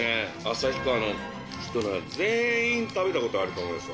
旭川の人なら全員食べたことあると思いますよ。